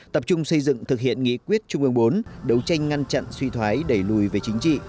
tập trung xây dựng thực hiện nghị quyết trung ương bốn đấu tranh ngăn chặn suy thoái đẩy lùi về chính trị